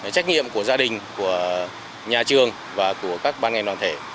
trách nhiệm của gia đình của nhà trường và của các ban ngành đoàn thể